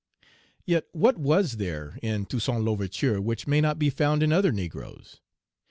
Page 141 Yet what was there in Toussaint L'Ouverture which may not be found in other negroes?